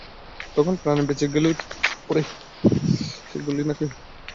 তখন প্রাণে বেঁচে গেলেও তিনি সেই গুলি বাকি জীবন শরীরে বয়ে বেড়ান।